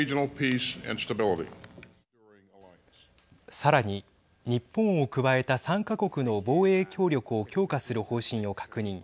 さらに日本を加えた３か国の防衛協力を強化する方針を確認。